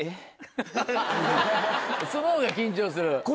その方が緊張する？